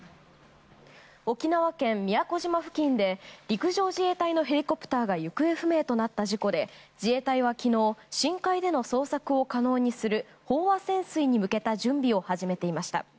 沖縄県宮古島付近で陸上自衛隊のヘリコプターが行方不明となった事故で自衛隊は昨日深海での捜索を可能にする飽和潜水に向けた準備を始めていました。